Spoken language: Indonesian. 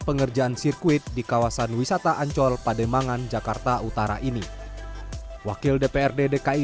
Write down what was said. pengerjaan sirkuit di kawasan wisata ancol pademangan jakarta utara ini wakil dprd dki